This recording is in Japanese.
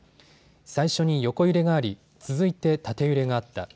最初に横揺れがあり続いて縦揺れがあった。